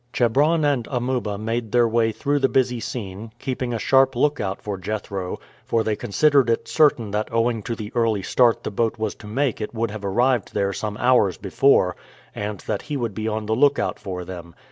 Chebron and Amuba made their way through the busy scene, keeping a sharp lookout for Jethro, for they considered it certain that owing to the early start the boat was to make it would have arrived there some hours before, and that he would be on the lookout for them.